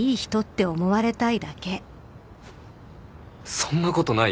そんなことないよ。